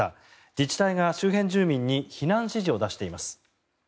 自治体が周辺住民に避難指示を出しています。